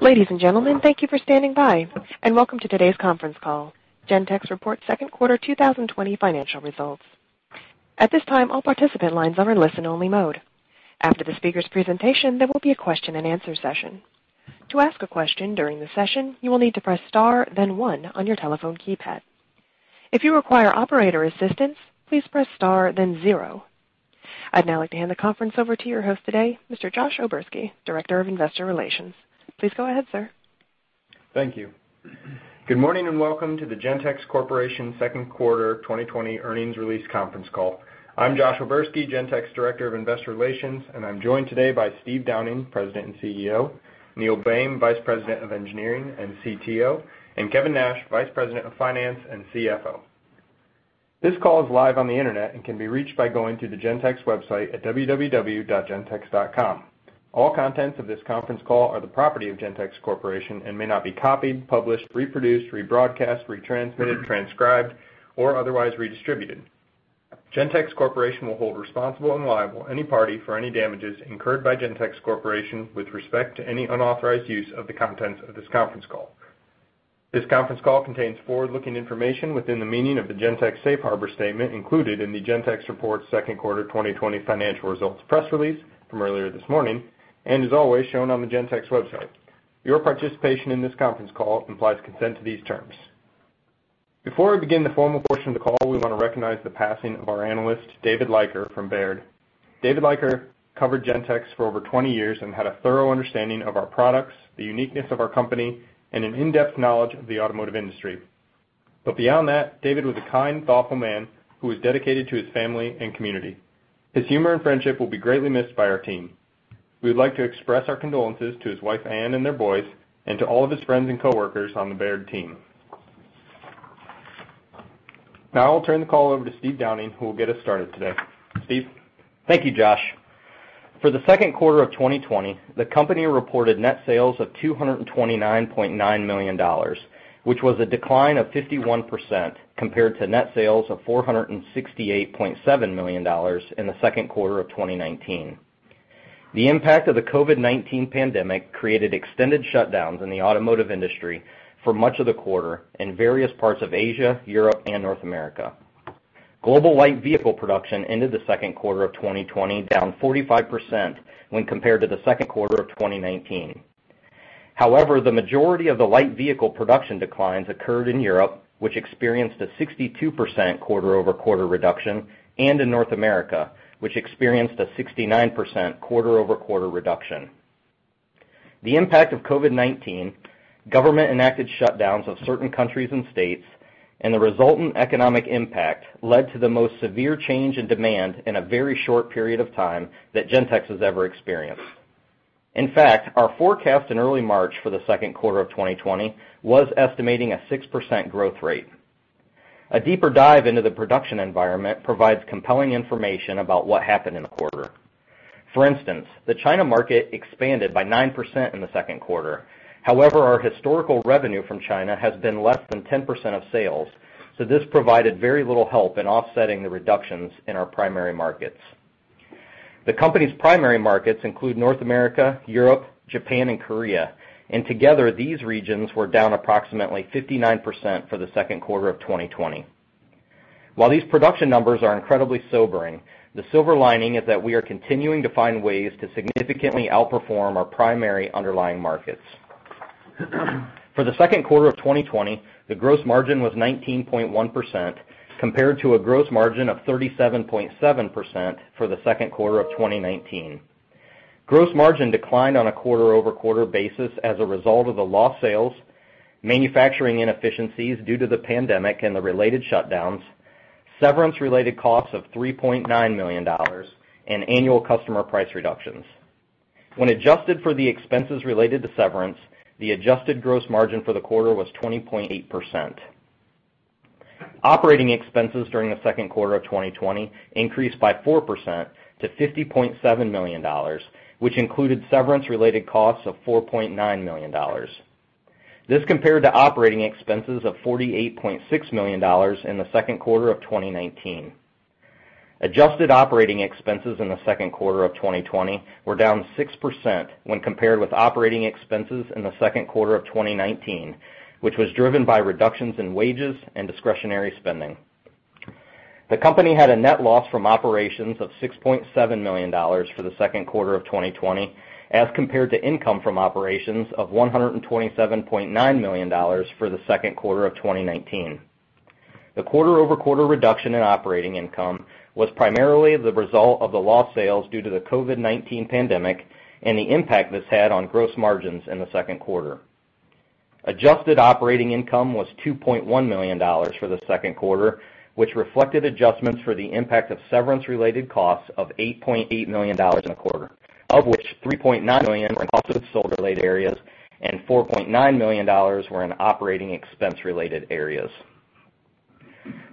Ladies and gentlemen, thank you for standing by, and welcome to today's conference call, Gentex's report second quarter 2020 financial results. At this time, all participant lines are in listen only mode. After the speaker's presentation, there will be a question-and-answer session. To ask a question during the session, you will need to press star, then one on your telephone keypad. If you require operator assistance, please press star, then zero. I'd now like to hand the conference over to your host today, Mr. Josh O'Berski, Director of Investor Relations. Please go ahead, sir. Thank you. Good morning and welcome to the Gentex Corporation second quarter 2020 earnings release conference call. I'm Josh O'Berski, Gentex, Director of Investor Relations, and I'm joined today by Steve Downing, President and CEO, Neil Boehm, Vice President of Engineering and CTO, and Kevin Nash, Vice President of Finance and CFO. This call is live on the Internet and can be reached by going to the Gentex website at www.gentex.com. All contents of this conference call are the property of Gentex Corporation and may not be copied, published, reproduced, rebroadcast, retransmitted, transcribed or otherwise redistributed. Gentex Corporation will hold responsible and liable any party for any damages incurred by Gentex Corporation with respect to any unauthorized use of the contents of this conference call. This conference call contains forward-looking information within the meaning of the Gentex safe harbor statement included in the Gentex Report second quarter 2020 financial results press release from earlier this morning, and as always, shown on the Gentex website. Your participation in this conference call implies consent to these terms. Before we begin the formal portion of the call, we want to recognize the passing of our analyst, David Leiker from Baird. David Leiker covered Gentex for over 20 years and had a thorough understanding of our products, the uniqueness of our company, and an in-depth knowledge of the automotive industry. Beyond that, David was a kind, thoughtful man who was dedicated to his family and community. His humor and friendship will be greatly missed by our team. We would like to express our condolences to his wife, Ann, and their boys, and to all of his friends and coworkers on the Baird team. I'll turn the call over to Steve Downing, who will get us started today. Steve? Thank you, Josh. For the second quarter of 2020, the company reported net sales of $229.9 million, which was a decline of 51% compared to net sales of $468.7 million in the second quarter of 2019. The impact of the COVID-19 pandemic created extended shutdowns in the automotive industry for much of the quarter in various parts of Asia, Europe, and North America. Global light vehicle production ended the second quarter of 2020 down 45% when compared to the second quarter of 2019. The majority of the light vehicle production declines occurred in Europe, which experienced a 62% quarter-over-quarter reduction, and in North America, which experienced a 69% quarter-over-quarter reduction. The impact of COVID-19, government enacted shutdowns of certain countries and states, and the resultant economic impact led to the most severe change in demand in a very short period of time that Gentex has ever experienced. In fact, our forecast in early March for the second quarter of 2020 was estimating a 6% growth rate. A deeper dive into the production environment provides compelling information about what happened in the quarter. For instance, the China market expanded by 9% in the second quarter. Our historical revenue from China has been less than 10% of sales, so this provided very little help in offsetting the reductions in our primary markets. The company's primary markets include North America, Europe, Japan, and Korea. Together, these regions were down approximately 59% for the second quarter of 2020. While these production numbers are incredibly sobering, the silver lining is that we are continuing to find ways to significantly outperform our primary underlying markets. For the second quarter of 2020, the gross margin was 19.1% compared to a gross margin of 37.7% for the second quarter of 2019. Gross margin declined on a quarter-over-quarter basis as a result of the lost sales, manufacturing inefficiencies due to the pandemic and the related shutdowns, severance related costs of $3.9 million, and annual customer price reductions. When adjusted for the expenses related to severance, the adjusted gross margin for the quarter was 20.8%. Operating expenses during the second quarter of 2020 increased by 4% to $50.7 million, which included severance related costs of $4.9 million. This compared to operating expenses of $48.6 million in the second quarter of 2019. Adjusted operating expenses in the second quarter of 2020 we re down 6% when compared with operating expenses in the second quarter of 2019, which was driven by reductions in wages and discretionary spending. The company had a net loss from operations of $6.7 million for the second quarter of 2020 as compared to income from operations of $127.9 million for the second quarter of 2019. The quarter-over-quarter reduction in operating income was primarily the result of the lost sales due to the COVID-19 pandemic and the impact this had on gross margins in the second quarter. Adjusted operating income was $2.1 million for the second quarter, which reflected adjustments for the impact of severance related costs of $8.8 million in the quarter, of which $3.9 million were in cost of sold related areas and $4.9 million were in operating expense related areas.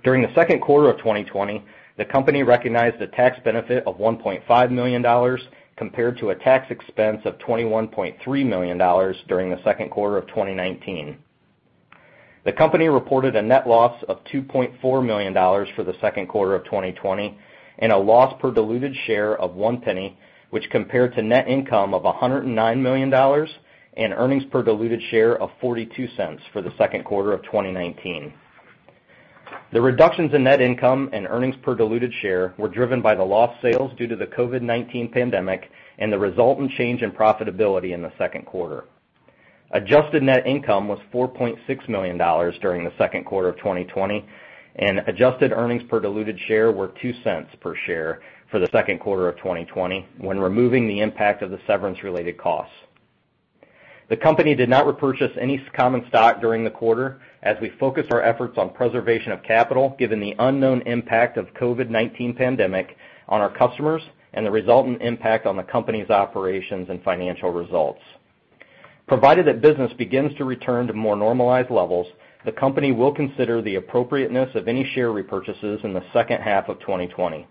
During the second quarter of 2020, the company recognized a tax benefit of $1.5 million compared to a tax expense of $21.3 million during the second quarter of 2019. The company reported a net loss of $2.4 million for the second quarter of 2020 and a loss per diluted share of $0.01, which compared to net income of $109 million and earnings per diluted share of $0.42 for the second quarter of 2019. The reductions in net income and earnings per diluted share were driven by the lost sales due to the COVID-19 pandemic and the resultant change in profitability in the second quarter. Adjusted net income was $4.6 million during the second quarter of 2020, and adjusted earnings per diluted share were $0.02 per share for the second quarter of 2020 when removing the impact of the severance-related costs. The company did not repurchase any common stock during the quarter as we focused our efforts on preservation of capital, given the unknown impact of COVID-19 pandemic on our customers and the resultant impact on the company's operations and financial results. Provided that business begins to return to more normalized levels, the company will consider the appropriateness of any share repurchases in the second half of 2020.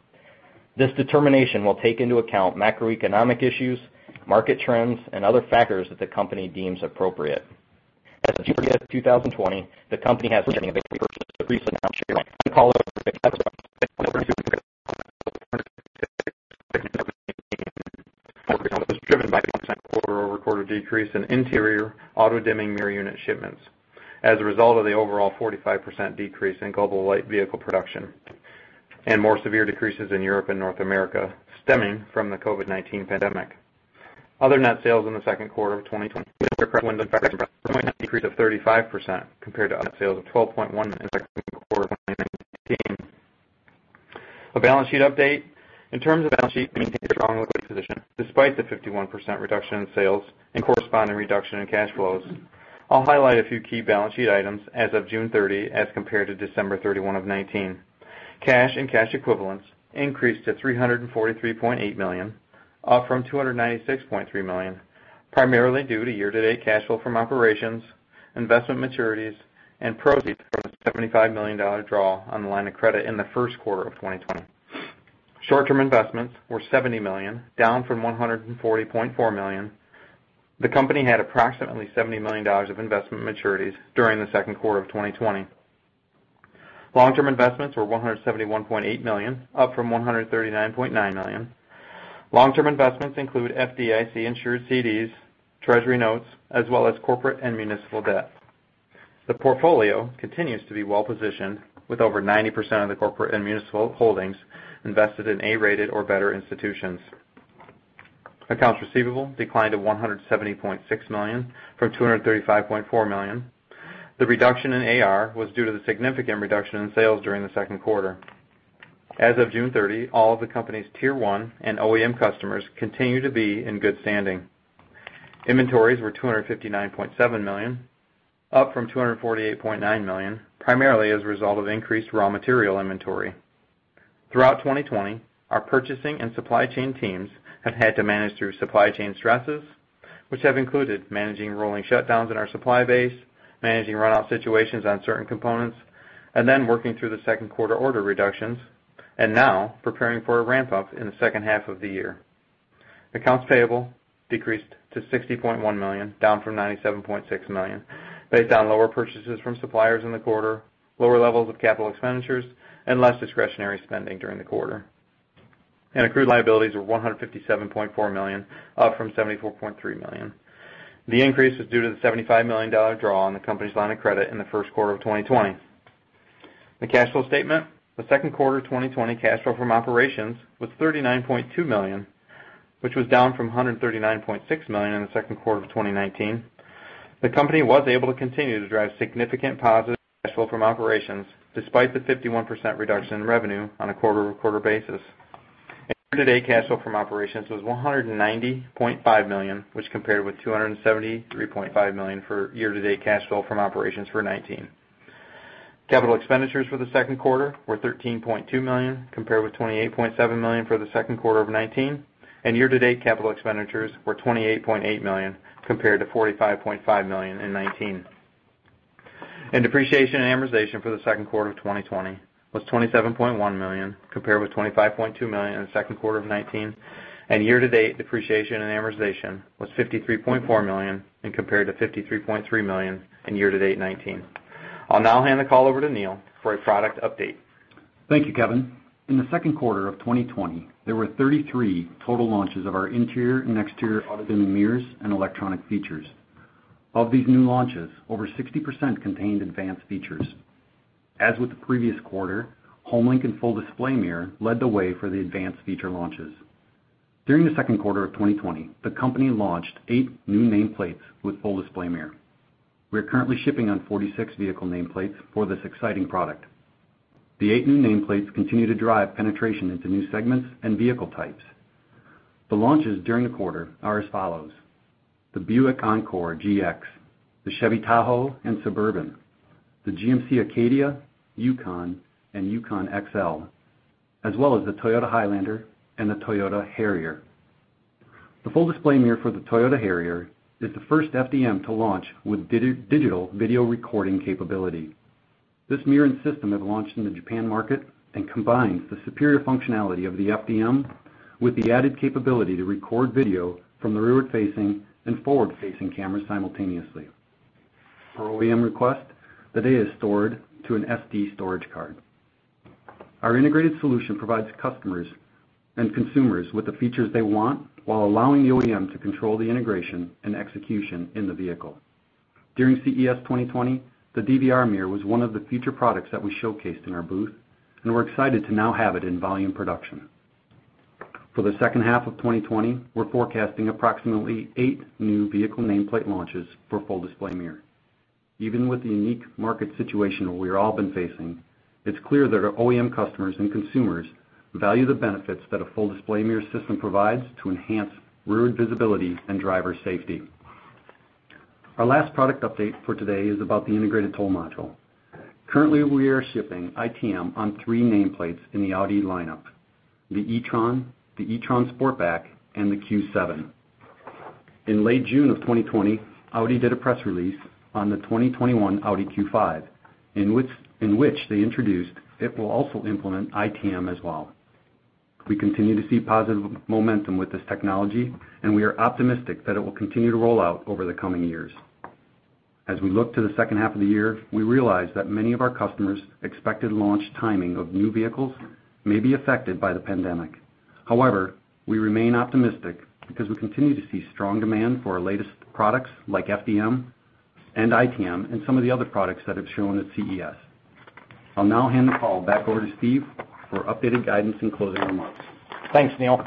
This determination will take into account macroeconomic issues, market trends, and other factors that the company deems appropriate. As of June 30th, 2020, the company was driven by the 1% quarter-over-quarter decrease in interior auto-dimming mirror unit shipments as a result of the overall 45% decrease in global light vehicle production and more severe decreases in Europe and North America stemming from the COVID-19 pandemic. Other net sales in the second quarter of 2020 decrease of 35% compared to net sales of $12.1 million in the second quarter of 2019. A balance sheet update. In terms of balance sheet, we maintain a strong liquidity position despite the 51% reduction in sales and corresponding reduction in cash flows. I'll highlight a few key balance sheet items as of June 30 as compared to December 31 of 2019. Cash and cash equivalents increased to $343.8 million, up from $296.3 million, primarily due to year-to-date cash flow from operations, investment maturities, and proceeds from the $75 million draw on the line of credit in the first quarter of 2020. Short-term investments were $70 million, down from $140.4 million. The company had approximately $70 million of investment maturities during the second quarter of 2020. Long-term investments were $171.8 million, up from $139.9 million. Long-term investments include FDIC-insured CDs, treasury notes, as well as corporate and municipal debt. The portfolio continues to be well-positioned, with over 90% of the corporate and municipal holdings invested in A-rated or better institutions. Accounts receivable declined to $170.6 million from $235.4 million. The reduction in AR was due to the significant reduction in sales during the second quarter. As of June 30, all of the company's tier 1 and OEM customers continue to be in good standing. Inventories were $259.7 million, up from $248.9 million, primarily as a result of increased raw material inventory. Throughout 2020, our purchasing and supply chain teams have had to manage through supply chain stresses, which have included managing rolling shutdowns in our supply base, managing run-out situations on certain components, working through the second quarter order reductions, and now preparing for a ramp up in the second half of the year. Accounts payable decreased to $60.1 million, down from $97.6 million, based on lower purchases from suppliers in the quarter, lower levels of capital expenditures, and less discretionary spending during the quarter. Accrued liabilities were $157.4 million, up from $74.3 million. The increase was due to the $75 million draw on the company's line of credit in the first quarter of 2020. The cash flow statement. The second quarter 2020 cash flow from operations was $39.2 million, which was down from $139.6 million in the second quarter of 2019. The company was able to continue to drive significant positive cash flow from operations despite the 51% reduction in revenue on a quarter-over-quarter basis. Year-to-date cash flow from operations was $190.5 million, which compared with $273.5 million for year-to-date cash flow from operations for 2019. Capital expenditures for the second quarter were $13.2 million, compared with $28.7 million for the second quarter of 2019, and year-to-date capital expenditures were $28.8 million, compared to $45.5 million in 2019. Depreciation and amortization for the second quarter of 2020 was $27.1 million, compared with $25.2 million in the second quarter of 2019. Year-to-date depreciation and amortization was $53.4 million and compared to $53.3 million in year-to-date 2019. I'll now hand the call over to Neil for a product update. Thank you, Kevin. In the second quarter of 2020, there were 33 total launches of our interior and exterior auto-dimming mirrors and electronic features. Of these new launches, over 60% contained advanced features. As with the previous quarter, HomeLink and Full Display Mirror led the way for the advanced feature launches. During the second quarter of 2020, the company launched eight new nameplates with Full Display Mirror. We are currently shipping on 46 vehicle nameplates for this exciting product. The eight new nameplates continue to drive penetration into new segments and vehicle types. The launches during the quarter are as follows: The Buick Encore GX, the Chevy Tahoe and Suburban, the GMC Acadia, Yukon, and Yukon XL, as well as the Toyota Highlander and the Toyota Harrier. The Full Display Mirror for the Toyota Harrier is the first FDM to launch with digital video recording capability. This mirroring system has launched in the Japan market and combines the superior functionality of the FDM with the added capability to record video from the rearward-facing and forward-facing cameras simultaneously. Per OEM request, the data is stored to an SD storage card. Our integrated solution provides customers and consumers with the features they want, while allowing the OEM to control the integration and execution in the vehicle. During CES 2020, the DVR mirror was one of the feature products that we showcased in our booth. We're excited to now have it in volume production. For the second half of 2020, we're forecasting approximately eight new vehicle nameplate launches for Full Display Mirror. Even with the unique market situation we've all been facing, it's clear that our OEM customers and consumers value the benefits that a Full Display Mirror system provides to enhance rear visibility and driver safety. Our last product update for today is about the Integrated Toll Module. Currently, we are shipping ITM on three nameplates in the Audi lineup: the e-tron, the e-tron Sportback, and the Q7. In late June of 2020, Audi did a press release on the 2021 Audi Q5, in which they introduced it will also implement ITM as well. We continue to see positive momentum with this technology, and we are optimistic that it will continue to roll out over the coming years. As we look to the second half of the year, we realize that many of our customers' expected launch timing of new vehicles may be affected by the pandemic. We remain optimistic because we continue to see strong demand for our latest products like FDM and ITM and some of the other products that have shown at CES. I'll now hand the call back over to Steve for updated guidance and closing remarks. Thanks, Neil.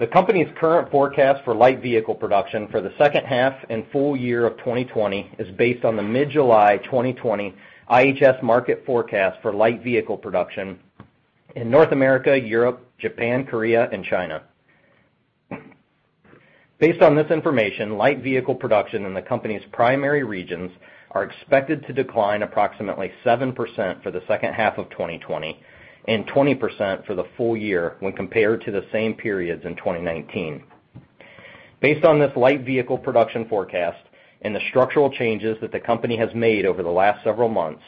The company's current forecast for light vehicle production for the second half and full year of 2020 is based on the mid-July 2020 IHS Markit forecast for light vehicle production in North America, Europe, Japan, Korea, and China. Based on this information, light vehicle production in the company's primary regions are expected to decline approximately 7% for the second half of 2020 and 20% for the full year when compared to the same periods in 2019. Based on this light vehicle production forecast and the structural changes that the company has made over the last several months,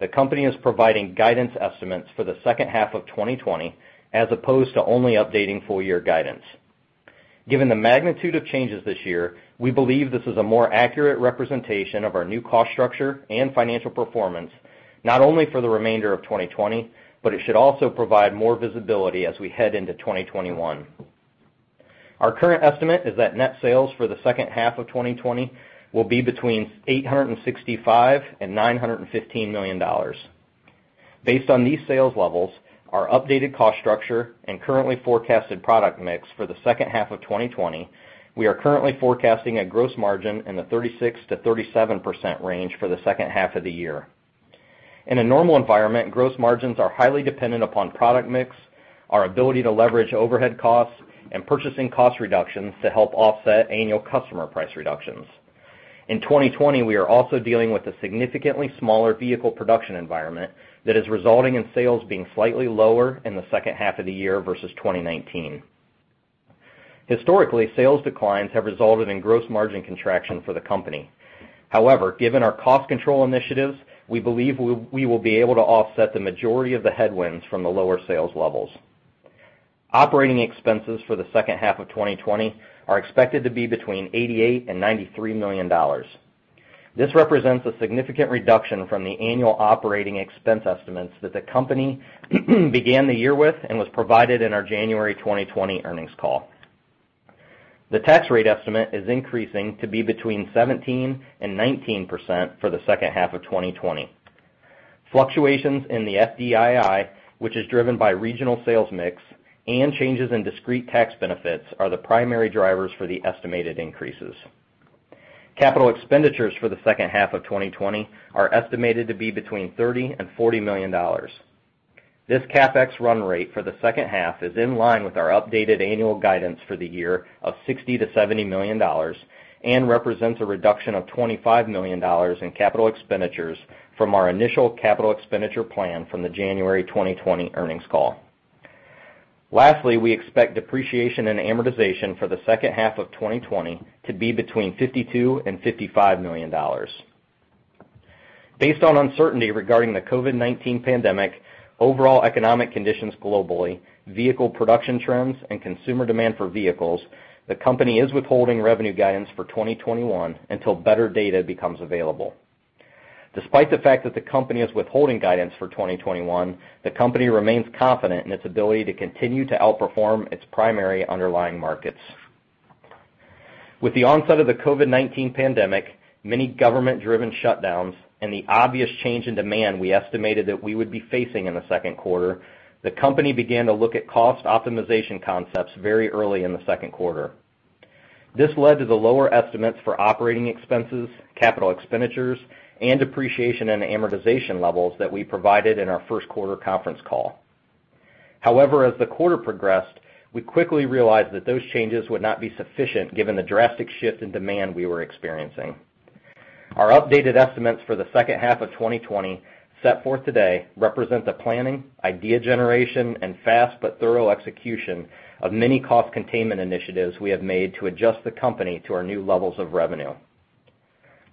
the company is providing guidance estimates for the second half of 2020 as opposed to only updating full-year guidance. Given the magnitude of changes this year, we believe this is a more accurate representation of our new cost structure and financial performance, not only for the remainder of 2020, but it should also provide more visibility as we head into 2021. Our current estimate is that net sales for the second half of 2020 will be between $865 and $915 million. Based on these sales levels, our updated cost structure, and currently forecasted product mix for the second half of 2020, we are currently forecasting a gross margin in the 36%-37% range for the second half of the year. In a normal environment, gross margins are highly dependent upon product mix, our ability to leverage overhead costs, and purchasing cost reductions to help offset annual customer price reductions. In 2020, we are also dealing with a significantly smaller vehicle production environment that is resulting in sales being slightly lower in the second half of the year versus 2019. Historically, sales declines have resulted in gross margin contraction for the company. Given our cost control initiatives, we believe we will be able to offset the majority of the headwinds from the lower sales levels. Operating expenses for the second half of 2020 are expected to be between $88 million and $93 million. This represents a significant reduction from the annual operating expense estimates that the company began the year with and was provided in our January 2020 earnings call. The tax rate estimate is increasing to be between 17% and 19% for the second half of 2020. Fluctuations in the FDII, which is driven by regional sales mix and changes in discrete tax benefits, are the primary drivers for the estimated increases. Capital expenditures for the second half of 2020 are estimated to be between $30 million and $40 million. This CapEx run rate for the second half is in line with our updated annual guidance for the year of $60 million-$70 million and represents a reduction of $25 million in capital expenditures from our initial capital expenditure plan from the January 2020 earnings call. Lastly, we expect depreciation and amortization for the second half of 2020 to be between $52 million and $55 million. Based on uncertainty regarding the COVID-19 pandemic, overall economic conditions globally, vehicle production trends, and consumer demand for vehicles, the company is withholding revenue guidance for 2021 until better data becomes available. Despite the fact that the company is withholding guidance for 2021, the company remains confident in its ability to continue to outperform its primary underlying markets. With the onset of the COVID-19 pandemic, many government-driven shutdowns, and the obvious change in demand we estimated that we would be facing in the second quarter, the company began to look at cost optimization concepts very early in the second quarter. This led to the lower estimates for operating expenses, capital expenditures, and depreciation and amortization levels that we provided in our first quarter conference call. However, as the quarter progressed, we quickly realized that those changes would not be sufficient given the drastic shift in demand we were experiencing. Our updated estimates for the second half of 2020 set forth today represent the planning, idea generation, and fast but thorough execution of many cost containment initiatives we have made to adjust the company to our new levels of revenue.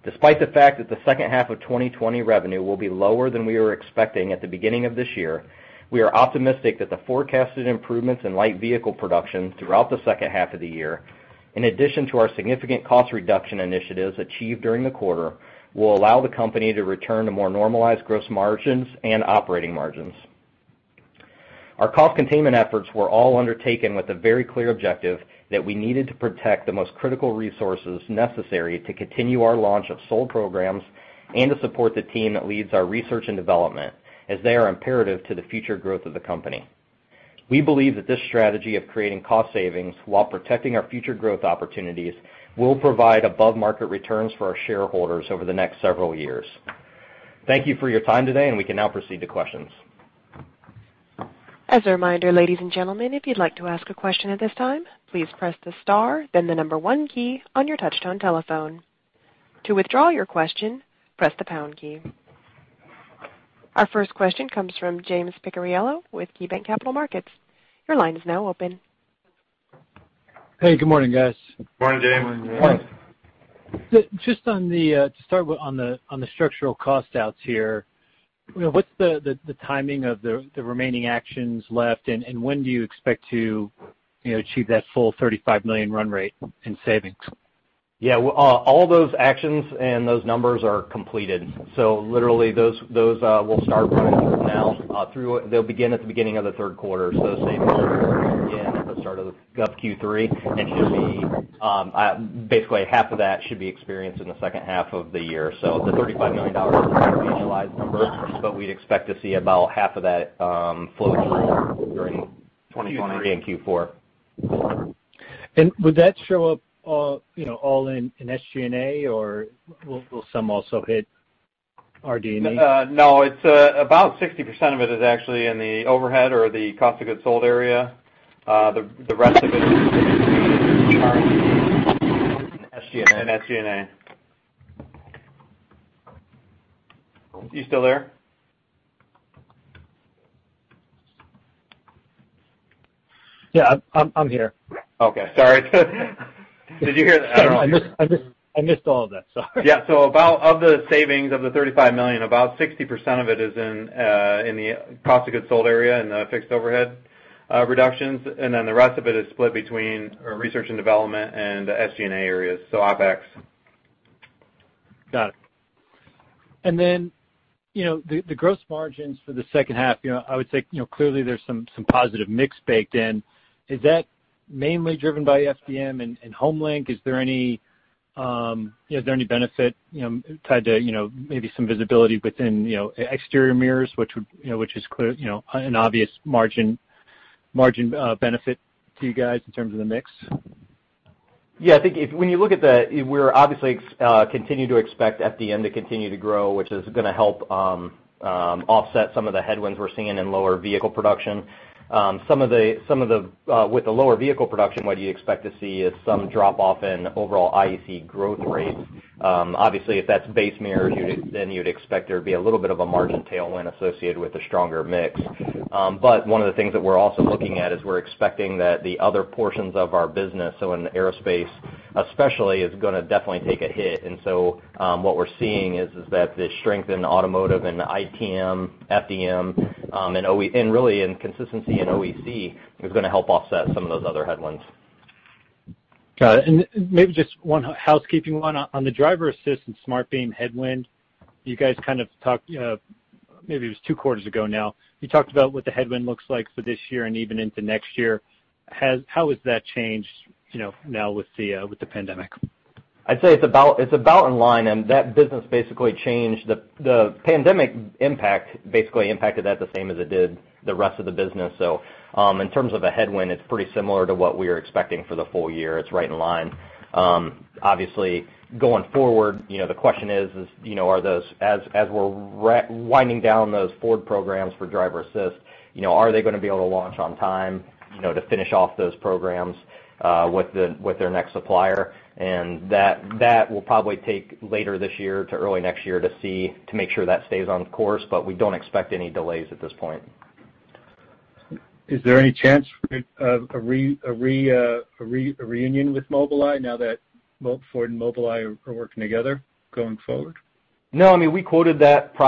Despite the fact that the second half of 2020 revenue will be lower than we were expecting at the beginning of this year, we are optimistic that the forecasted improvements in light vehicle production throughout the second half of the year, in addition to our significant cost reduction initiatives achieved during the quarter, will allow the company to return to more normalized gross margins and operating margins. Our cost containment efforts were all undertaken with a very clear objective that we needed to protect the most critical resources necessary to continue our launch of sold programs and to support the team that leads our research and development, as they are imperative to the future growth of the company. We believe that this strategy of creating cost savings while protecting our future growth opportunities will provide above-market returns for our shareholders over the next several years. Thank you for your time today, and we can now proceed to questions. As a reminder, ladies and gentlemen, if you'd like to ask a question at this time, please press the star, then the number one key on your touch-tone telephone. To withdraw your question, press the pound key. Our first question comes from James Picariello with KeyBanc Capital Markets. Your line is now open. Hey, good morning, guys. Morning, James. Just to start with on the structural cost outs here, what's the timing of the remaining actions left, and when do you expect to achieve that full $35 million run rate in savings? All those actions and those numbers are completed. Literally, those will start running now. They'll begin at the beginning of the third quarter. Savings will begin at the start of Q3 and basically half of that should be experienced in the second half of the year. The $35 million is an annualized number, but we'd expect to see about half of that flowing through during Q3 and Q4. Would that show up all in SG&A, or will some also hit ER&D? No. About 60% of it is actually in the overhead or the cost of goods sold area. The rest of it is charged in SG&A. You still there? Yeah, I'm here. Okay. Sorry. Did you hear? I don't know. I missed all that, sorry. Of the savings of the $35 million, about 60% of it is in the cost of goods sold area, in the fixed overhead reductions, the rest of it is split between our research and development and the SG&A areas, so OpEx. Got it. The gross margins for the second half, I would say, clearly, there's some positive mix baked in. Is that mainly driven by FDM and HomeLink? Is there any benefit tied to maybe some visibility within exterior mirrors, which is an obvious margin benefit to you guys in terms of the mix? Yeah, I think when you look at that, we obviously continue to expect FDM to continue to grow, which is gonna help offset some of the headwinds we're seeing in lower vehicle production. With the lower vehicle production, what you expect to see is some drop-off in overall IEC growth rates. Obviously, if that's base mirrors, you'd expect there to be a little bit of a margin tailwind associated with a stronger mix. One of the things that we're also looking at is we're expecting that the other portions of our business, so in aerospace especially, is gonna definitely take a hit. What we're seeing is that the strength in automotive and ITM, FDM, and really in consistency in OEC is gonna help offset some of those other headwinds. Got it. Maybe just one housekeeping one. On the driver-assist and SmartBeam headwind, you guys kind of talked, maybe it was two quarters ago now. You talked about what the headwind looks like for this year and even into next year. How has that changed now with the pandemic? I'd say it's about in line. That business basically changed. The pandemic basically impacted that the same as it did the rest of the business. In terms of a headwind, it's pretty similar to what we are expecting for the full year. It's right in line. Obviously, going forward, the question is, as we're winding down those Ford programs for driver assist, are they gonna be able to launch on time to finish off those programs, with their next supplier? That will probably take later this year to early next year to see, to make sure that stays on course. We don't expect any delays at this point. Is there any chance of a reunion with Mobileye now that both Ford and Mobileye are working together going forward? No. Ford asked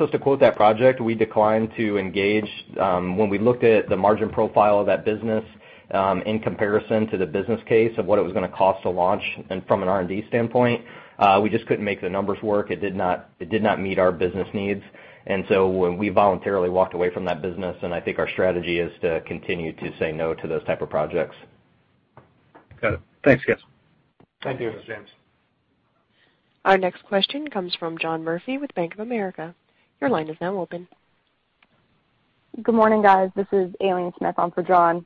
us to quote that project. We declined to engage. When we looked at the margin profile of that business, in comparison to the business case of what it was gonna cost to launch from an R&D standpoint, we just couldn't make the numbers work. It did not meet our business needs. We voluntarily walked away from that business, and I think our strategy is to continue to say no to those type of projects. Got it. Thanks, guys. Thank you. Thanks, James. Our next question comes from John Murphy with Bank of America. Your line is now open. Good morning, guys. This is Aileen Smith on for John.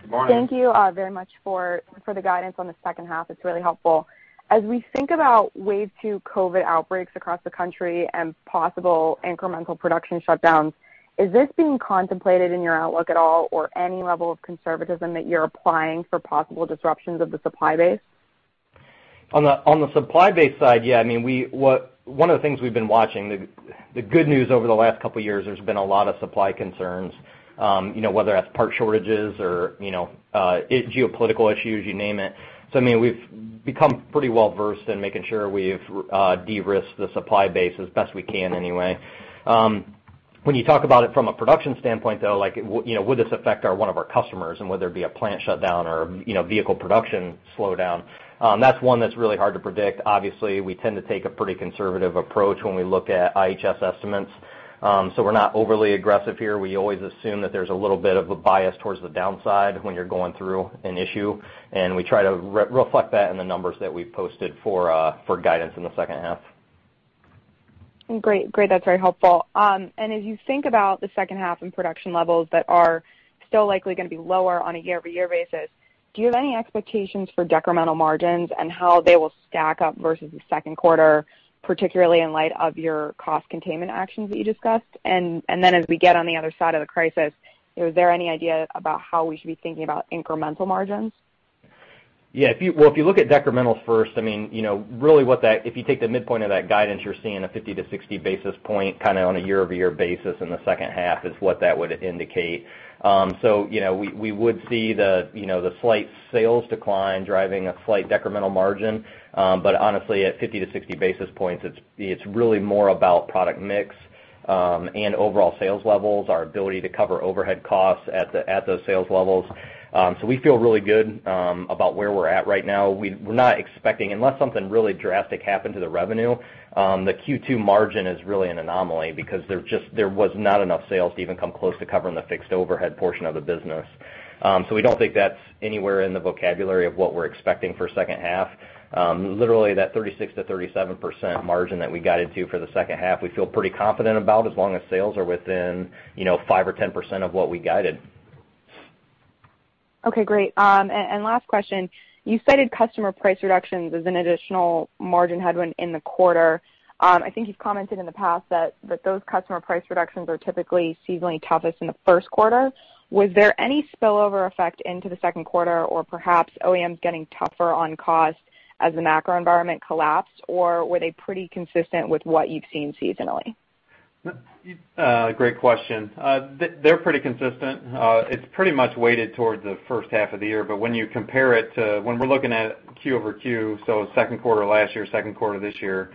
Good morning. Thank you very much for the guidance on the second half. It is really helpful. As we think about wave two COVID outbreaks across the country and possible incremental production shutdowns, is this being contemplated in your outlook at all, or any level of conservatism that you are applying for possible disruptions of the supply base? On the supply base side, yeah. The good news over the last couple of years, there's been a lot of supply concerns, whether that's part shortages or geopolitical issues, you name it. We've become pretty well-versed in making sure we've de-risked the supply base as best we can anyway. When you talk about it from a production standpoint, though, would this affect one of our customers and whether it be a plant shutdown or vehicle production slowdown? That's one that's really hard to predict. Obviously, we tend to take a pretty conservative approach when we look at IHS estimates. We're not overly aggressive here. We always assume that there's a little bit of a bias towards the downside when you're going through an issue, and we try to reflect that in the numbers that we've posted for guidance in the second half. Great. That's very helpful. As you think about the second half and production levels that are still likely going to be lower on a year-over-year basis, do you have any expectations for decremental margins and how they will stack up versus the second quarter, particularly in light of your cost containment actions that you discussed? Then as we get on the other side of the crisis, is there any idea about how we should be thinking about incremental margins? Well, if you look at decremental first, if you take the midpoint of that guidance, you're seeing a 50-60 basis points on a year-over-year basis in the second half is what that would indicate. We would see the slight sales decline driving a slight decremental margin. Honestly, at 50-60 basis points, it's really more about product mix and overall sales levels, our ability to cover overhead costs at those sales levels. We feel really good about where we're at right now. We're not expecting, unless something really drastic happened to the revenue, the Q2 margin is really an anomaly because there was not enough sales to even come close to covering the fixed overhead portion of the business. We don't think that's anywhere in the vocabulary of what we're expecting for second half. Literally, that 36%-37% margin that we guided to for the second half, we feel pretty confident about as long as sales are within 5% or 10% of what we guided. Okay, great. Last question. You cited customer price reductions as an additional margin headwind in the quarter. I think you've commented in the past that those customer price reductions are typically seasonally toughest in the first quarter. Was there any spillover effect into the second quarter or perhaps OEMs getting tougher on cost as the macro environment collapsed? Were they pretty consistent with what you've seen seasonally? Great question. They're pretty consistent. It's pretty much weighted towards the first half of the year. When we're looking at quarter-over-quarter, so second quarter last year, second quarter this year,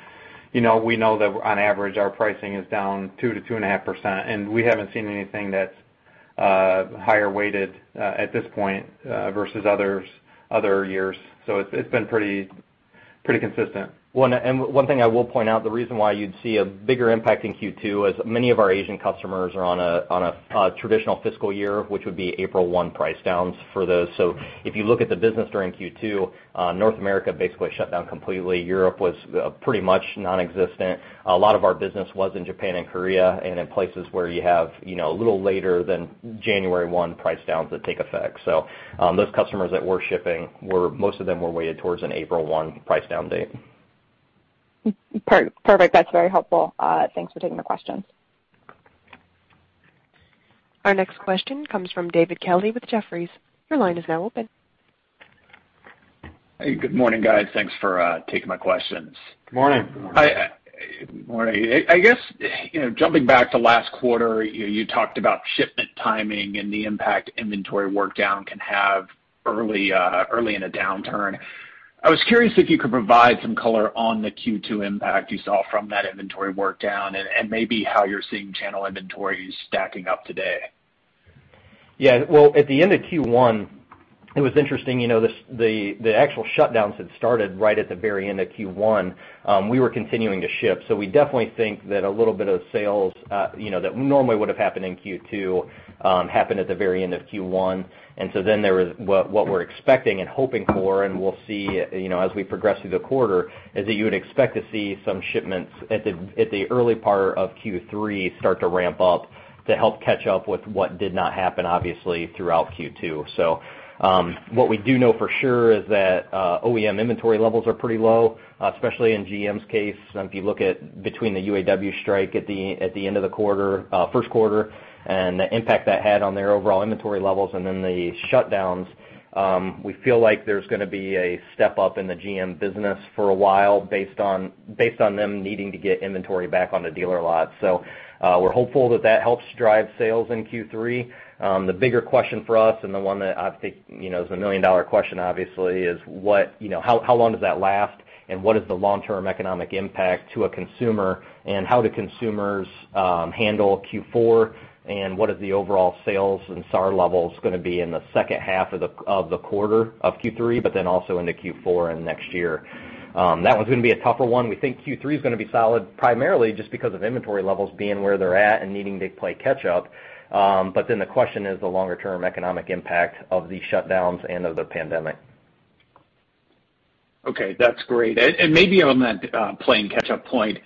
we know that on average, our pricing is down 2%-2.5%. We haven't seen anything that's higher weighted at this point versus other years. It's been pretty consistent. One thing I will point out, the reason why you'd see a bigger impact in Q2 is many of our Asian customers are on a traditional fiscal year, which would be April 1 price downs for those. If you look at the business during Q2, North America basically shut down completely. Europe was pretty much non-existent. A lot of our business was in Japan and Korea and in places where you have a little later than January 1 price downs that take effect. Those customers that were shipping, most of them were weighted towards an April 1 price down date. Perfect. That's very helpful. Thanks for taking the questions. Our next question comes from David Kelley with Jefferies. Your line is now open. Hey, good morning, guys. Thanks for taking my questions. Good morning. Good morning. Morning. I guess, jumping back to last quarter, you talked about shipment timing and the impact inventory work down can have early in a downturn. I was curious if you could provide some color on the Q2 impact you saw from that inventory work down and maybe how you're seeing channel inventories stacking up today. Yeah. Well, at the end of Q1, it was interesting, the actual shutdowns had started right at the very end of Q1. We were continuing to ship, so we definitely think that a little bit of sales that normally would have happened in Q2 happened at the very end of Q1. There was what we're expecting and hoping for, and we'll see as we progress through the quarter, is that you would expect to see some shipments at the early part of Q3 start to ramp up to help catch up with what did not happen, obviously, throughout Q2. What we do know for sure is that OEM inventory levels are pretty low, especially in GM's case. If you look at between the UAW strike at the end of the first quarter and the impact that had on their overall inventory levels and then the shutdowns, we feel like there's going to be a step up in the GM business for a while based on them needing to get inventory back on the dealer lot. We're hopeful that that helps drive sales in Q3. The bigger question for us and the one that I think is the million-dollar question, obviously, is how long does that last and what is the long-term economic impact to a consumer and how do consumers handle Q4, and what is the overall sales and SAR levels going to be in the second half of Q3, but then also into Q4 and next year? That one's going to be a tougher one. We think Q3 is going to be solid, primarily just because of inventory levels being where they're at and needing to play catch up. The question is the longer-term economic impact of these shutdowns and of the pandemic. Okay, that's great. Maybe on that playing catch up point,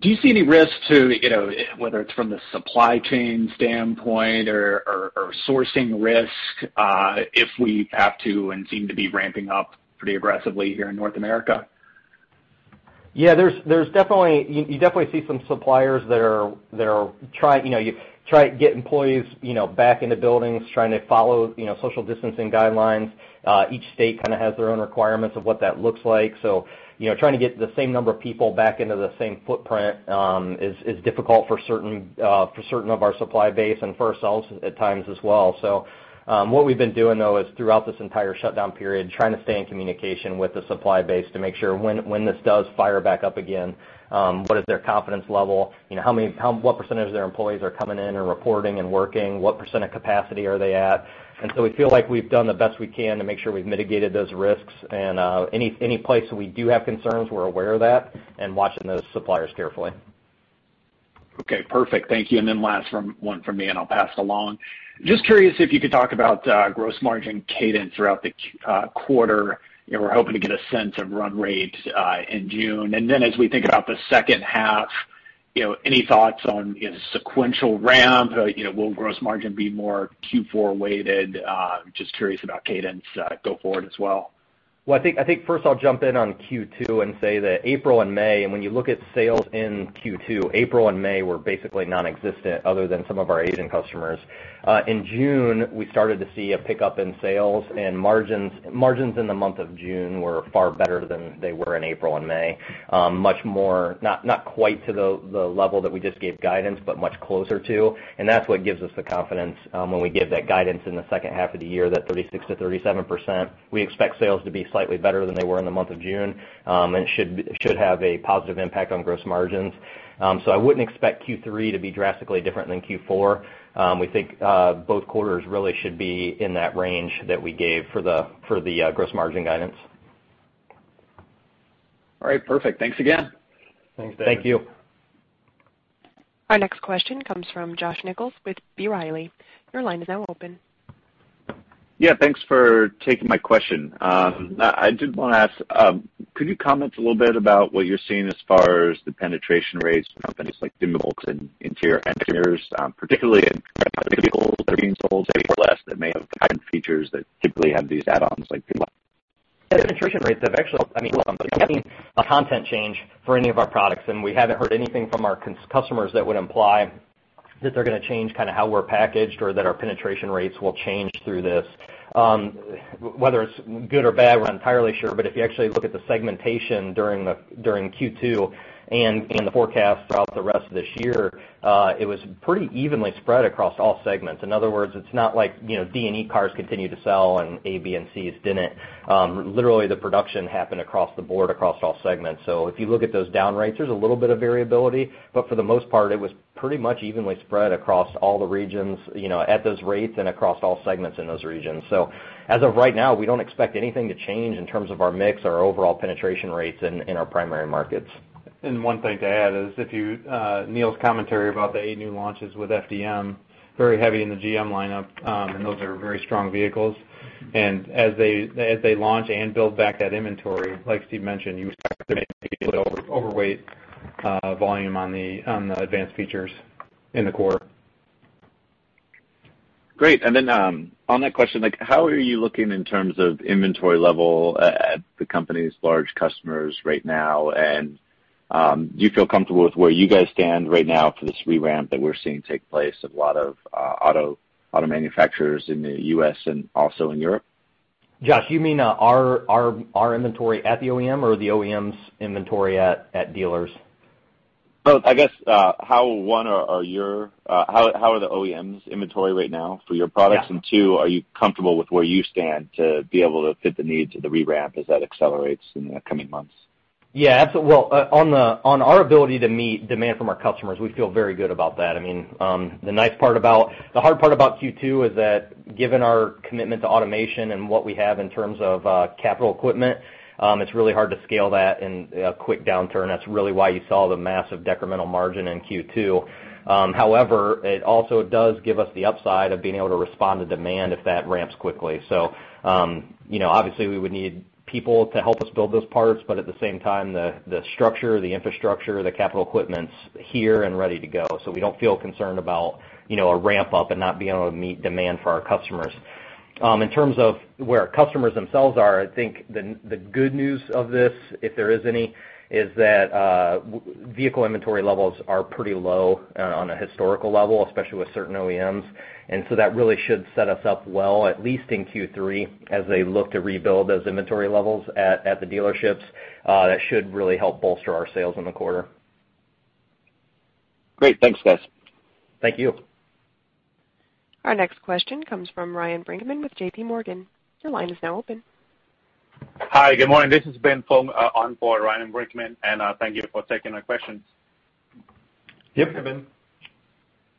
do you see any risk to, whether it's from the supply chain standpoint or sourcing risk, if we have to and seem to be ramping up pretty aggressively here in North America? Yeah, you definitely see some suppliers that are trying to get employees back in the buildings, trying to follow social distancing guidelines. Each state kind of has their own requirements of what that looks like. Trying to get the same number of people back into the same footprint is difficult for certain of our supply base and for ourselves at times as well. What we've been doing, though, is throughout this entire shutdown period, trying to stay in communication with the supply base to make sure when this does fire back up again, what is their confidence level? What percentage of their employees are coming in and reporting and working? What percentage of capacity are they at? We feel like we've done the best we can to make sure we've mitigated those risks and any place that we do have concerns, we're aware of that and watching those suppliers carefully. Okay, perfect. Thank you. Last one from me, and I'll pass it along. Just curious if you could talk about gross margin cadence throughout the quarter. We're hoping to get a sense of run rate in June. As we think about the second half, any thoughts on sequential ramp? Will gross margin be more Q4 weighted? Just curious about cadence go forward as well. I think first I'll jump in on Q2 and say that April and May, and when you look at sales in Q2, April and May were basically nonexistent other than some of our Asian customers. In June, we started to see a pickup in sales and margins. Margins in the month of June were far better than they were in April and May. Not quite to the level that we just gave guidance, but much closer to. That's what gives us the confidence when we give that guidance in the second half of the year, that 36%-37%. We expect sales to be slightly better than they were in the month of June, and it should have a positive impact on gross margins. I wouldn't expect Q3 to be drastically different than Q4. We think both quarters really should be in that range that we gave for the gross margin guidance. All right, perfect. Thanks again. Thank you. Our next question comes from Josh Nichols with B. Riley. Your line is now open. Thanks for taking my question. I did want to ask, could you comment a little bit about what you're seeing as far as the penetration rates for companies like Denso and interior engineers, particularly in that may have features that typically have these add-ons like? Penetration rates have actually a content change for any of our products, and we haven't heard anything from our customers that would imply that they're going to change kind of how we're packaged or that our penetration rates will change through this. Whether it's good or bad, we're not entirely sure, but if you actually look at the segmentation during Q2 and in the forecast throughout the rest of this year, it was pretty evenly spread across all segments. In other words, it's not like D and E cars continue to sell and A, B and C's didn't. Literally, the production happened across the board, across all segments. If you look at those down rates, there's a little bit of variability, but for the most part it was pretty much evenly spread across all the regions at those rates and across all segments in those regions. As of right now, we don't expect anything to change in terms of our mix, our overall penetration rates in our primary markets. One thing to add is Neil's commentary about the eight new launches with FDM, very heavy in the GM lineup. Those are very strong vehicles. As they launch and build back that inventory, like Steve mentioned, you expect overweight volume on the advanced features in the quarter. Great. On that question, how are you looking in terms of inventory level at the company's large customers right now? Do you feel comfortable with where you guys stand right now for this re-ramp that we're seeing take place of a lot of auto manufacturers in the U.S. and also in Europe? Josh, you mean our inventory at the OEM or the OEM's inventory at dealers? I guess how are the OEM's inventory right now for your products? Yeah. Two, are you comfortable with where you stand to be able to fit the needs of the re-ramp as that accelerates in the coming months? Yeah. Well, on our ability to meet demand from our customers, we feel very good about that. The hard part about Q2 is that given our commitment to automation and what we have in terms of capital equipment, it's really hard to scale that in a quick downturn. That's really why you saw the massive decremental margin in Q2. However, it also does give us the upside of being able to respond to demand if that ramps quickly. Obviously we would need people to help us build those parts, but at the same time, the structure, the infrastructure, the capital equipment's here and ready to go. We don't feel concerned about a ramp up and not being able to meet demand for our customers. In terms of where our customers themselves are, I think the good news of this, if there is any, is that vehicle inventory levels are pretty low on a historical level, especially with certain OEMs. That really should set us up well, at least in Q3, as they look to rebuild those inventory levels at the dealerships. That should really help bolster our sales in the quarter. Great. Thanks, guys. Thank you. Our next question comes from Ryan Brinkman with JPMorgan. Your line is now open. Hi, good morning. This is Ben Fung on for Ryan Brinkman. Thank you for taking my questions. Yep, Ben.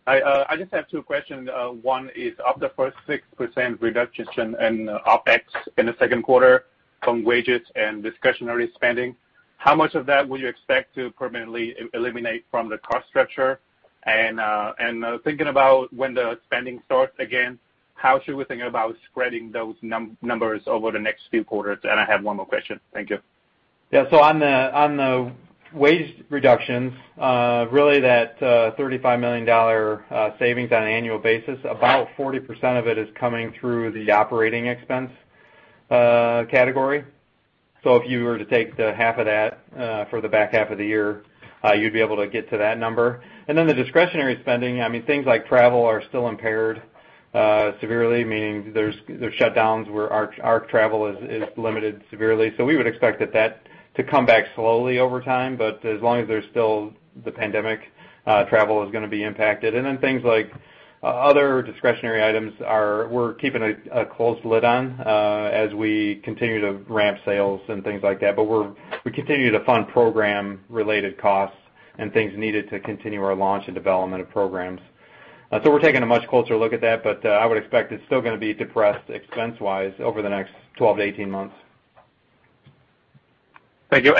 I just have two questions. One is of the first 6% reduction in OpEx in the second quarter from wages and discretionary spending, how much of that will you expect to permanently eliminate from the cost structure? Thinking about when the spending starts again, how should we think about spreading those numbers over the next few quarters? I have one more question. Thank you. Yeah. On the wage reductions, really that $35 million savings on an annual basis, about 40% of it is coming through the operating expense category. If you were to take the half of that for the back half of the year, you'd be able to get to that number. The discretionary spending, things like travel are still impaired severely, meaning there's shutdowns where our travel is limited severely. We would expect that to come back slowly over time, but as long as there's still the pandemic, travel is going to be impacted. Things like other discretionary items are, we're keeping a close lid on as we continue to ramp sales and things like that. We continue to fund program-related costs and things needed to continue our launch and development of programs. We're taking a much closer look at that, but I would expect it's still going to be depressed expense-wise over the next 12-18 months. Thank you.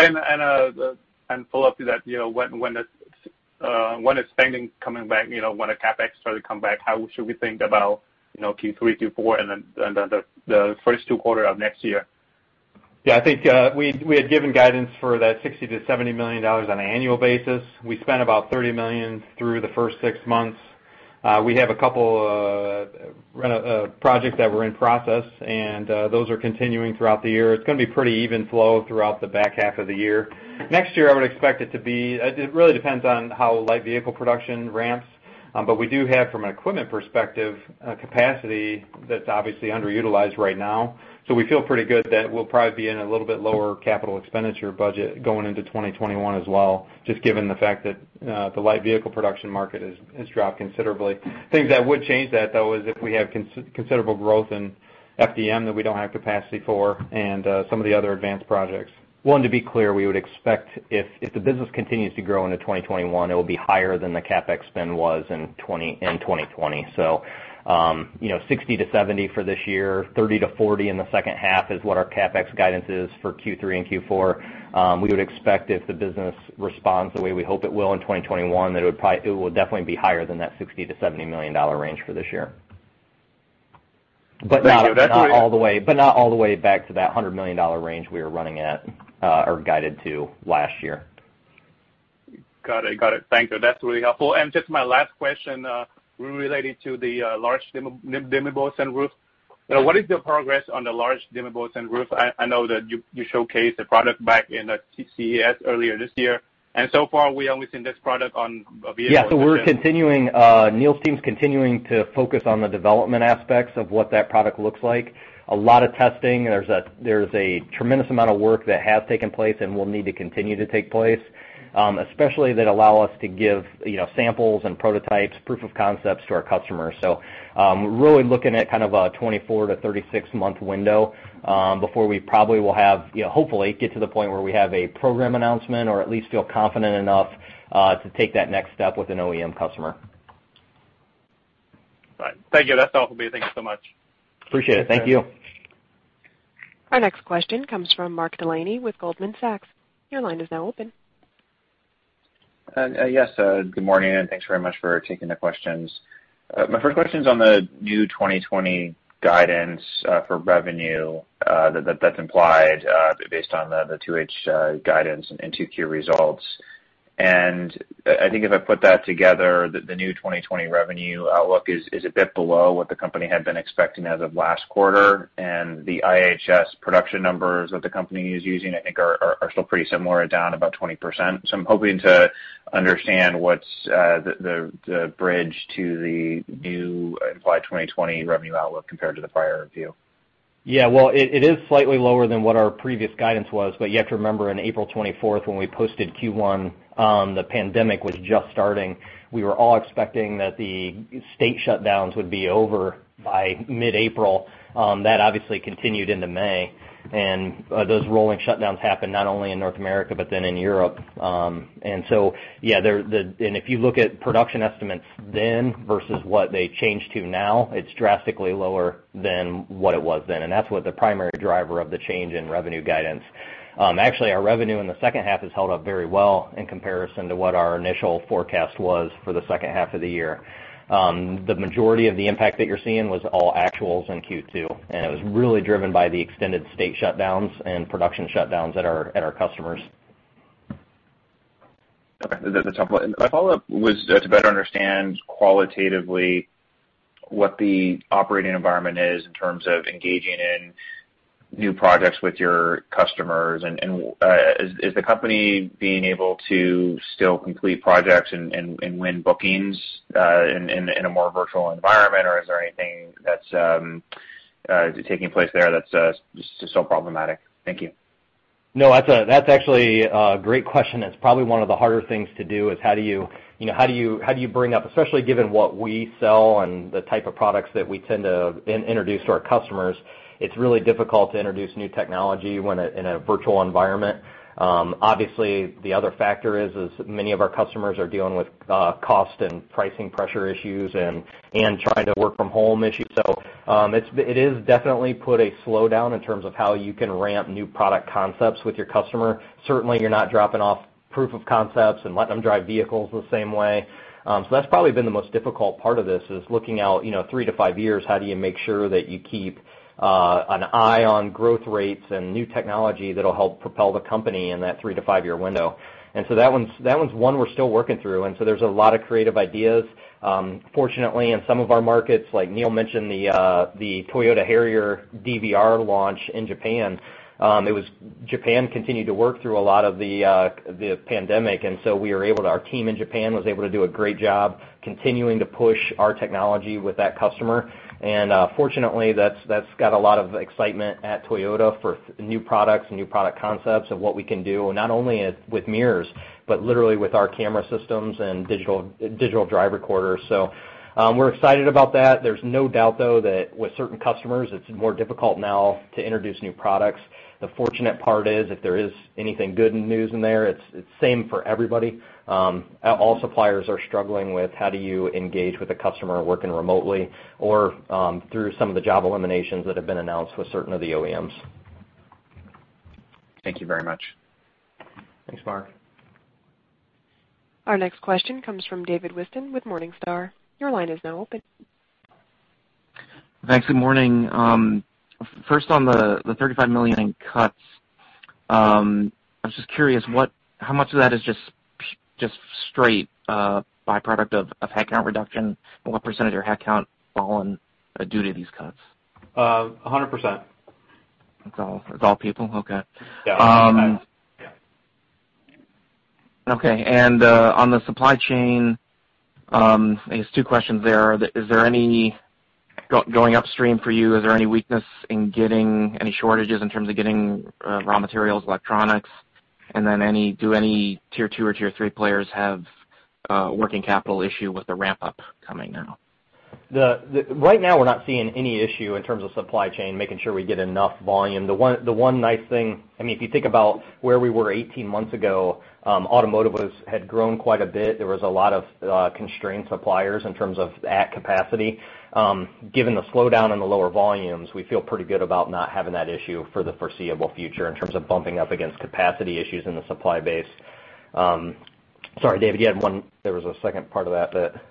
Follow up to that, when is spending coming back? When are CapEx starting to come back? How should we think about Q3, Q4, and then the first two quarter of next year? Yeah, I think we had given guidance for that $60 million-$70 million on an annual basis. We spent about $30 million through the first six months. We have a couple projects that were in process, and those are continuing throughout the year. It's going to be pretty even flow throughout the back half of the year. Next year, I would expect it to be. It really depends on how light vehicle production ramps. We do have, from an equipment perspective, a capacity that's obviously underutilized right now. We feel pretty good that we'll probably be in a little bit lower capital expenditure budget going into 2021 as well, just given the fact that the light vehicle production market has dropped considerably. Things that would change that, though, is if we have considerable growth in FDM that we don't have capacity for and some of the other advanced projects. To be clear, we would expect if the business continues to grow into 2021, it will be higher than the CapEx spend was in 2020. $60 million-$70 million for this year, $30 million-$40 million in the second half is what our CapEx guidance is for Q3 and Q4. We would expect if the business responds the way we hope it will in 2021, that it would definitely be higher than that $60 million-$70 million range for this year. Thank you. Not all the way back to that $100 million range we were running at or guided to last year. Got it. Thank you. That's really helpful. Just my last question related to the large dimmable bows and roofs. What is the progress on the large dimmable bows and roofs? I know that you showcased the product back in the CES earlier this year, and so far we only seen this product on a vehicle. We're continuing, Neil's team's continuing to focus on the development aspects of what that product looks like. A lot of testing. There's a tremendous amount of work that has taken place and will need to continue to take place especially that allow us to give samples and prototypes, proof of concepts to our customers. We're really looking at kind of a 24-36-month window before we hopefully get to the point where we have a program announcement or at least feel confident enough to take that next step with an OEM customer. Right. Thank you. That's all for me. Thank you so much. Appreciate it. Thank you. Our next question comes from Mark Delaney with Goldman Sachs. Your line is now open. Yes, good morning, and thanks very much for taking the questions. My first question's on the new 2020 guidance for revenue that's implied based on the 2H guidance and Q2 results. I think if I put that together, the new 2020 revenue outlook is a bit below what the company had been expecting as of last quarter, and the IHS production numbers that the company is using, I think are still pretty similar, down about 20%. I'm hoping to understand what's the bridge to the new implied 2020 revenue outlook compared to the prior view. Yeah. Well, it is slightly lower than what our previous guidance was. You have to remember on April 24th when we posted Q1 the pandemic was just starting. We were all expecting that the state shutdowns would be over by mid-April. That obviously continued into May, and those rolling shutdowns happened not only in North America, but then in Europe. Yeah, if you look at production estimates then versus what they changed to now, it's drastically lower than what it was then, and that's what the primary driver of the change in revenue guidance. Actually, our revenue in the second half has held up very well in comparison to what our initial forecast was for the second half of the year. The majority of the impact that you're seeing was all actuals in Q2, and it was really driven by the extended state shutdowns and production shutdowns at our customers. Okay, that's helpful. My follow-up was to better understand qualitatively what the operating environment is in terms of engaging in new projects with your customers. Is the company being able to still complete projects and win bookings in a more virtual environment, or is there anything that's taking place there that's just still problematic? Thank you. No, that's actually a great question. It's probably one of the harder things to do is how do you bring up, especially given what we sell and the type of products that we tend to introduce to our customers, it's really difficult to introduce new technology in a virtual environment. Obviously, the other factor is many of our customers are dealing with cost and pricing pressure issues and trying to work from home issues. It is definitely put a slowdown in terms of how you can ramp new product concepts with your customer. Certainly, you're not dropping off Proof of concepts and letting them drive vehicles the same way. That's probably been the most difficult part of this, is looking out three to five years, how do you make sure that you keep an eye on growth rates and new technology that'll help propel the company in that three to five-year window? That one's one we're still working through, there's a lot of creative ideas. Fortunately, in some of our markets, like Neil mentioned, the Toyota Harrier DVR launch in Japan. Japan continued to work through a lot of the pandemic, our team in Japan was able to do a great job continuing to push our technology with that customer. Fortunately, that's got a lot of excitement at Toyota for new products and new product concepts of what we can do, not only with mirrors, but literally with our camera systems and digital driver recorders. We're excited about that. There's no doubt, though, that with certain customers, it's more difficult now to introduce new products. The fortunate part is, if there is anything good in news in there, it's the same for everybody. All suppliers are struggling with how do you engage with a customer working remotely or through some of the job eliminations that have been announced with certain of the OEMs. Thank you very much. Thanks, Mark. Our next question comes from David Whiston with Morningstar. Your line is now open. Thanks. Good morning. On the $35 million in cuts. I was just curious, how much of that is just straight byproduct of headcount reduction? What % of headcount fallen due to these cuts? 100%. It's all people? Okay. Yeah. Okay. On the supply chain, I guess two questions there. Going upstream for you, is there any weakness in getting any shortages in terms of getting raw materials, electronics? Do any Tier 2 or Tier 3 players have a working capital issue with the ramp-up coming now? Right now, we're not seeing any issue in terms of supply chain, making sure we get enough volume. The one nice thing, if you think about where we were 18 months ago, automotive had grown quite a bit. There was a lot of constrained suppliers in terms of at capacity. Given the slowdown and the lower volumes, we feel pretty good about not having that issue for the foreseeable future in terms of bumping up against capacity issues in the supply base. Sorry, David, there was a second part of that.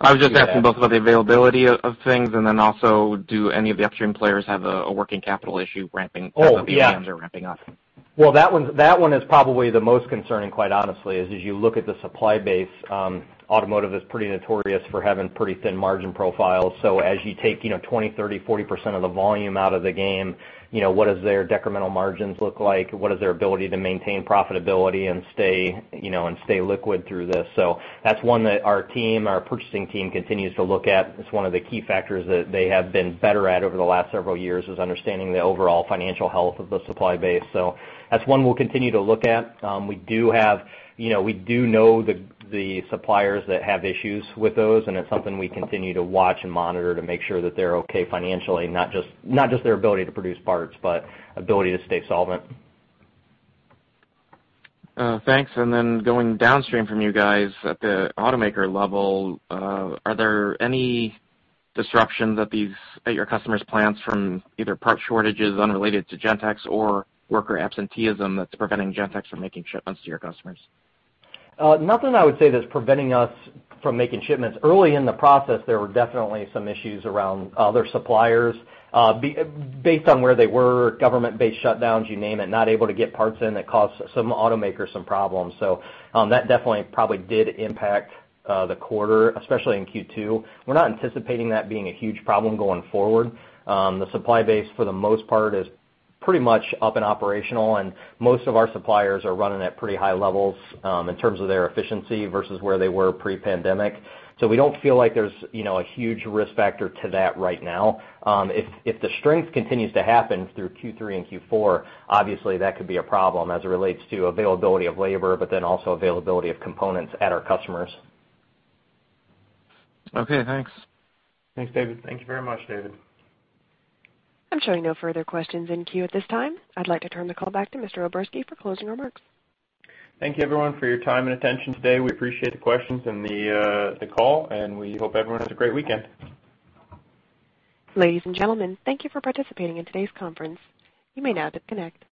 I was just asking both about the availability of things and then also, do any of the upstream players have a working capital issue as OEMs are ramping up? Well, that one is probably the most concerning, quite honestly, is as you look at the supply base, automotive is pretty notorious for having pretty thin margin profiles. As you take 20%, 30%, 40% of the volume out of the game, what does their decremental margins look like? What is their ability to maintain profitability and stay liquid through this? That's one that our team, our purchasing team, continues to look at. It's one of the key factors that they have been better at over the last several years, is understanding the overall financial health of the supply base. That's one we'll continue to look at. We do know the suppliers that have issues with those, and it's something we continue to watch and monitor to make sure that they're okay financially, not just their ability to produce parts, but ability to stay solvent. Thanks. Then going downstream from you guys at the automaker level, are there any disruptions at your customers' plants from either part shortages unrelated to Gentex or worker absenteeism that's preventing Gentex from making shipments to your customers? Nothing, I would say, that's preventing us from making shipments. Early in the process, there were definitely some issues around other suppliers based on where they were, government-based shutdowns, you name it, not able to get parts in. That caused some automakers some problems. That definitely probably did impact the quarter, especially in Q2. We're not anticipating that being a huge problem going forward. The supply base, for the most part, is pretty much up and operational, and most of our suppliers are running at pretty high levels in terms of their efficiency versus where they were pre-pandemic. We don't feel like there's a huge risk factor to that right now. If the strength continues to happen through Q3 and Q4, obviously that could be a problem as it relates to availability of labor, but then also availability of components at our customers. Okay, thanks. Thanks, David. I'm showing no further questions in queue at this time. I'd like to turn the call back to Mr. O'Berski for closing remarks. Thank you everyone for your time and attention today. We appreciate the questions and the call, and we hope everyone has a great weekend. Ladies and gentlemen, thank you for participating in today's conference. You may now disconnect.